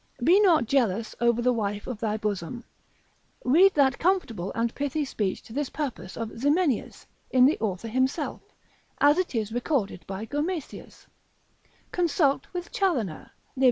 Be not jealous over the wife of thy bosom; read that comfortable and pithy speech to this purpose of Ximenius, in the author himself, as it is recorded by Gomesius; consult with Chaloner lib.